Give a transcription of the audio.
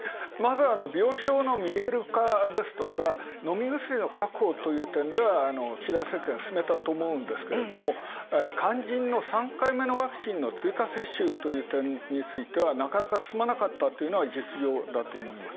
まず、病床の見える化ですとか、飲み薬の確保という点では、岸田政権は進めたが肝心の３回目のワクチンの追加接種という点については、なかなか進まなかったというのが実情だと。